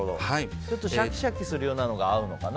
シャキシャキするようなのが合うのかな。